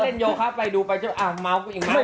ก็เล่นโยคะไปดูไปอ้าวเมาท์กูอีกมาก